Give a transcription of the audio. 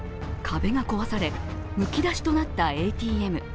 壁が壊され、むき出しとなったＡＴＭ。